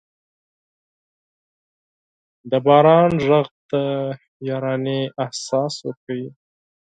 د باران ږغ د یارانې احساس ورکوي.